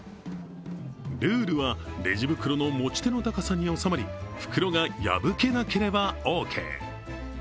ルールはレジ袋の持ち手の高さに収まり袋が破けなければオーケー。